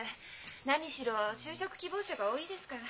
何しろ就職希望者が多いですから。